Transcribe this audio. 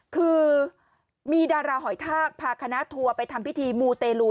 คือมีดาราหอยทากพาคณะทัวร์ไปทำพิธีมูเตลู